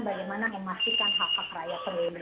bagaimana memastikan hak hak rakyat